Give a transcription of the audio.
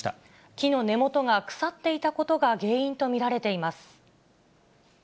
木の根元が腐っていたことが原因と見られています。